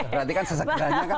berarti kan sesekranya kan